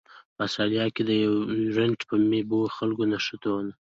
په اسټرالیا کې د یر یورونټ بومي خلکو نوښتونه و